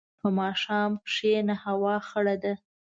په ماښام کښېنه، هوا خړه ده.